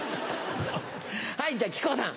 はいじゃあ木久扇さん。